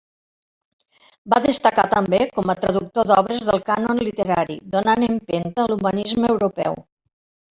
Va destacar també com a traductor d'obres del cànon literari, donant empenta a l'humanisme europeu.